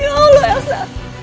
ya allah elsa